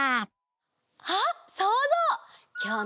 あっそうぞう！